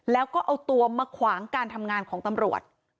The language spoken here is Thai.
แล้วก็เอาตัวมาขวางการทำงานของตำรวจ